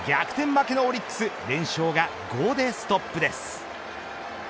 負けのオリックス連勝が５でストップです。